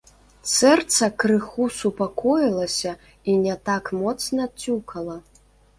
Сэрца крыху супакоілася і не так моцна цюкала.